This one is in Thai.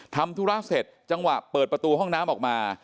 ทำธุระเสร็จจังหวะเปิดประตูห้องน้ำออกมา